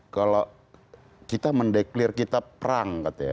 kalau kita mendeklir kita perang